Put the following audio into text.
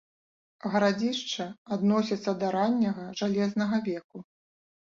Гарадзішча адносіцца да ранняга жалезнага веку.